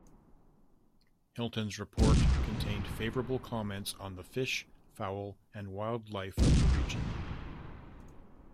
Hilton's report contained favorable comments on the fish, fowl, and wildlife of the region.